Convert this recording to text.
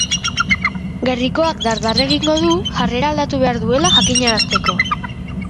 Gerrikoak dar-dar egingo du, jarrera aldatu behar duela jakinarazteko.